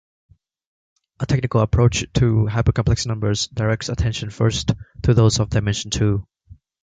A technical approach to hypercomplex numbers directs attention first to those of dimension two.